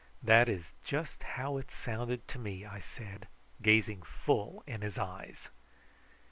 "That is just how it sounded to me," I said, gazing full in his eyes.